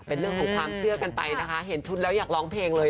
เป็นเรื่องของความเชื่อกันไปนะคะเห็นชุดแล้วอยากร้องเพลงเลย